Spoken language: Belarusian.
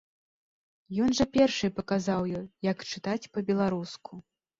Ён жа першы і паказаў ёй, як чытаць па-беларуску.